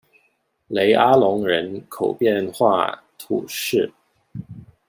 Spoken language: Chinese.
雷阿隆人口变化图示